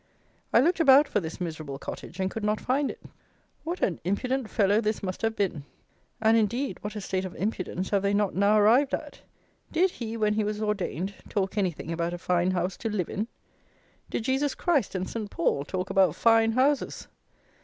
I looked about for this "miserable cottage," and could not find it. What on impudent fellow this must have been! And, indeed, what a state of impudence have they not now arrived at! Did he, when he was ordained, talk anything about a fine house to live in? Did Jesus Christ and Saint Paul talk about fine houses?